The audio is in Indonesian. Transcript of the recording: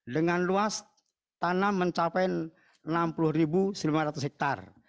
dengan luas tanam mencapai enam puluh lima ratus hektare